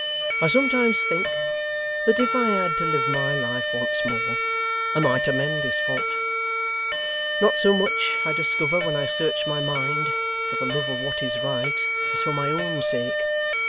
I sometimes think, that if I had to live my life once more, I might amend this fault not so much, I discover when I search my mind, for the love of what is right, as for my own sake.